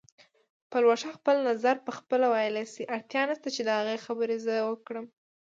پلوشه خپل نظر پخپله ویلی شي، اړتیا نشته چې د هغې خبرې زه وکړم